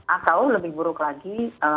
atau lebih buruk lagi